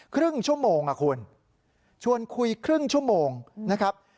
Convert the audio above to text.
ครึ่งชั่วโมงอ่ะคุณชวนคุยครึ่งชั่วโมงนะครับ